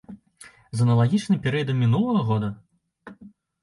З аналагічным перыядам мінулага года?